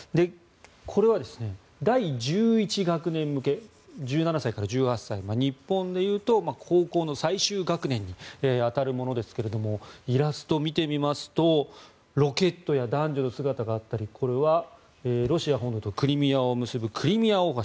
これは第１１学年向け１７歳から１８歳日本でいうと高校最終学年に当たるものですけれどもイラストを見てみますとロケットや男女の姿があったりロシア本土とクリミアを結ぶクリミア大橋